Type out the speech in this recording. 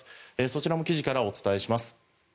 そちらも記事からお伝えします。